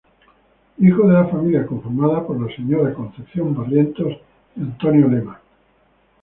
Hijo de la familia conformada por la señora Concepción Barrientos y Antonio Lema.